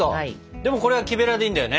でもこれは木べらでいいんだよね。